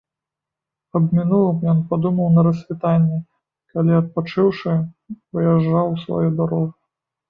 Аб мінулым ён падумаў на рассвітанні, калі, адпачыўшы, выязджаў у сваю дарогу.